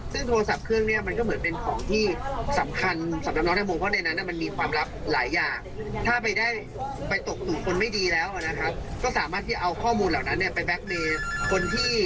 ซึ่งโทรศพเครื่องเนี่ยมันก็เหมือนเป็นของที่สำคัญสำหรับน้องไทยโมง